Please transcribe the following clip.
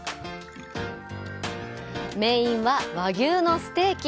メインは和牛のステーキ。